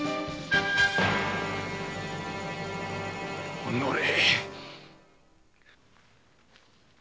おのれ！